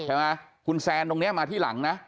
ใช่ไหมคุณแซนตรงนี้มาที่หลังนะ